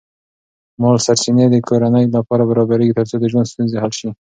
مالی سرچینې د کورنۍ لپاره برابرېږي ترڅو د ژوند ستونزې حل شي.